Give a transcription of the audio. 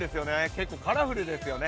結構カラフルですよね。